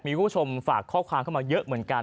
มีคุณผู้ชมฝากข้อความเข้ามาเยอะเหมือนกัน